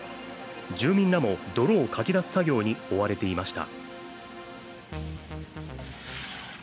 住民らも泥をかき出す作業に追われていました。